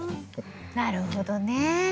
なるほどね。